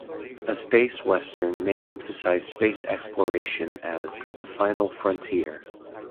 A space Western may emphasize space exploration as "the final frontier".